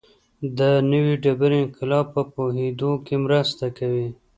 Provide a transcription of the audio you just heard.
د نوې ډبرې انقلاب په پوهېدو کې مرسته کوي